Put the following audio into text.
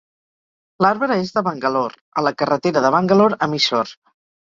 L'arbre és de Bangalore, a la carretera de Bangalore a Mysore.